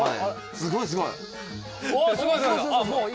すごいすごい。